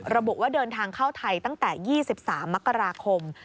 ระบุว่าเดินทางเข้าไทยตั้งแต่๒๓มกราคม